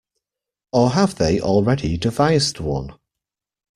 Or have they already devised one.